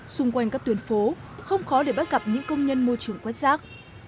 xung quanh các tuyến phố không khó để bắt gặp những công nhân môi trường quát giác